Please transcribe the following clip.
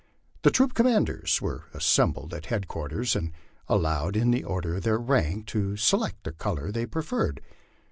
The troop commanders were assembled at head quarters and allowed, in the order of their rank, to select the color they pre ferred.